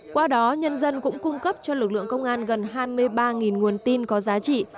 qua đó nhân dân cũng cung cấp cho lực lượng công an gần hai mươi ba nguồn tin có giá trị